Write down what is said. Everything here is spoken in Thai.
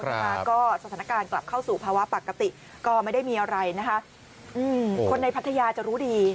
นะคะก็สถานการณ์กลับเข้าสู่ภาวะปกติก็ไม่ได้มีอะไรนะคะอืมคนในพัทยาจะรู้ดี